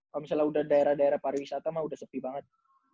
kalau misalnya udah daerah daerah pariwisata mah udah sepi banget